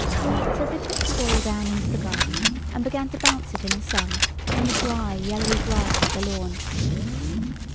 So they took the Ball down into the garden and began to bounce it in the sun, on the dry, yellowy grass of the lawn.